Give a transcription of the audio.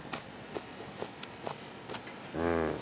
うん。